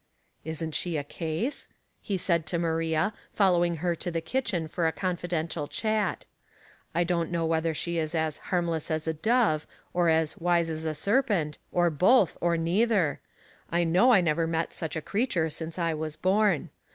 " Isn't she a case ?'* he said to Maria, follow ing her to the kitchen for a confidential chat. *' I don't know whether she is as * harmless as & dove ' or as * wise as a serpent,' or both, or neither ; I know I never met such a creature since I was born.